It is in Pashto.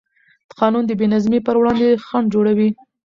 قانون د بېنظمۍ پر وړاندې خنډ جوړوي.